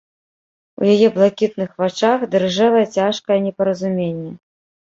У яе блакітных вачах дрыжэла цяжкае непаразуменне.